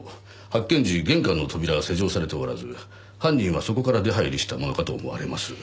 発見時玄関の扉は施錠されておらず犯人はそこから出入りしたものかと思われます。